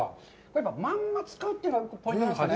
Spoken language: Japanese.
やっぱまんま使うというのがポイントなんですかね。